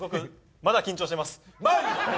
まだ緊張してます。